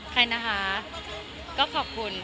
ใครนะคะก็ขอบคุณ